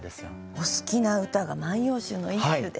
お好きな歌が「万葉集」の一首で。